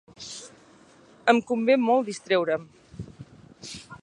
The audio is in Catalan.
Em convé molt distreure'm.